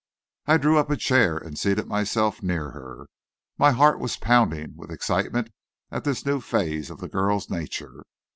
I drew up a chair and seated myself near her. My heart was pounding with excitement at this new phase of the girl's nature.